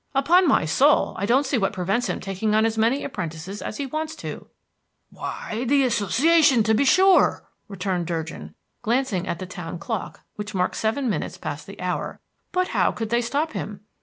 "Upon my soul, I don't see what prevents him taking on as many apprentices as he wants to." "Why, the Association, to be sure," returned Durgin, glancing at the town clock, which marked seven minutes past the hour. "But how could they stop him?"